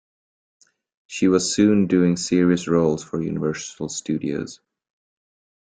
She was soon doing serious roles for Universal Studios.